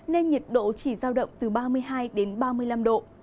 nên nhiệt độ chỉ giao động từ ba mươi hai đến ba mươi năm độ